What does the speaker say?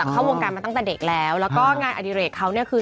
เข้าวงการมาตั้งแต่เด็กแล้วแล้วก็งานอดิเรกเขาเนี่ยคือ